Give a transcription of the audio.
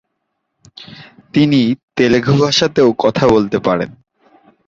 তিনি তেলুগু ভাষাতেও কথা বলতে পারেন।